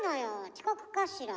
遅刻かしら。